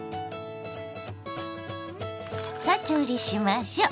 さあ調理しましょ。